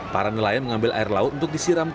para nelayan mengambil air laut untuk disiram